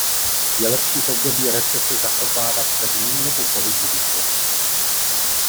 Je lepší v období recese zachovávat pevný nebo pohyblivý kurz?